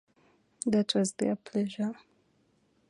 That was their pleasure!